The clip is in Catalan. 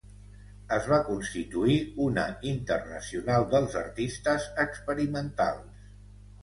Es va constituir una Internacional dels Artistes Experimentals.